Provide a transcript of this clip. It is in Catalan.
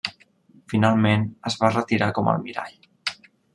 Finalment es va retirar com almirall.